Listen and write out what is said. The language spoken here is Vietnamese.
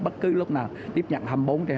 bất cứ lúc nào tiếp nhận hai mươi bốn h hai mươi bốn